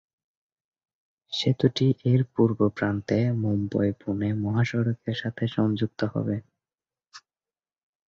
সেতুটি এর পূর্ব প্রান্তে মুম্বই-পুণে মহাসড়কের সাথে সংযুক্ত হবে।